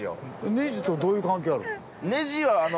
ネジとどういう関係あるの？